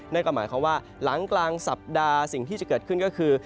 นั่นก็หมายความว่าหลังกลางสัปดาห์สิ่งที่จะเกิดขึ้นก็คือ